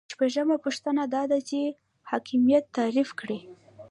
شپږمه پوښتنه دا ده چې حاکمیت تعریف کړئ.